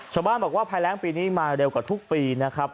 ชาวบ้านบอกว่าภายแรงปีนี้มาเร็วกว่าทุกปีนะครับ